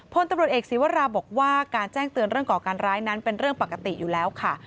พลตำรวจเอกศีวราบอกว่าการแจ้งเตือนเรื่องก่อการร้ายนั้นเป็นเรื่องปกติอยู่แล้วค่ะ